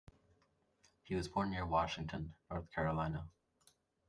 He was born near Washington, North Carolina.